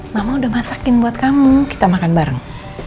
mama udah masakin buat kamu kita makan bareng